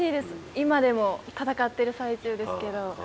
今でも闘ってる最中ですけど。